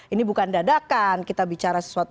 ini bukan dadakan kita bicara sesuatu